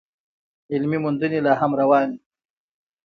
علمي موندنې لا هم روانې دي.